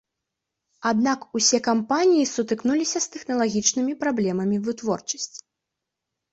Аднак усе кампаніі сутыкнуліся з тэхналагічнымі праблемамі вытворчасці.